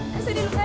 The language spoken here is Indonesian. kasihin lu be